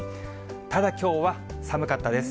ただ、きょうは寒かったです。